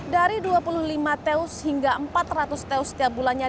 dari dua puluh lima teus hingga empat ratus teus setiap bulannya